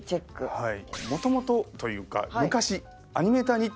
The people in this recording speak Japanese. はい。